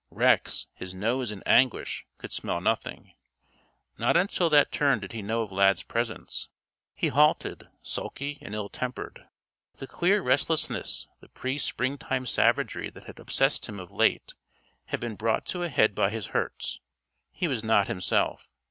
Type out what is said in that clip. Rex, his nose in anguish, could smell nothing; not until that turn did he know of Lad's presence. He halted, sulky, and ill tempered. The queer restlessness, the pre springtime savagery that had obsessed him of late had been brought to a head by his hurts. He was not himself.